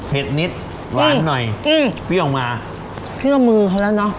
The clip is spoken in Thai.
นิดหวานหน่อยอืมเปรี้ยออกมาเชื่อมือเขาแล้วเนอะ